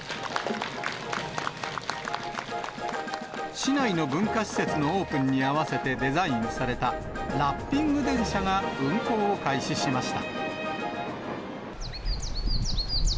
市内の文化施設のオープンに合わせてデザインされた、ラッピング電車が運行を開始しました。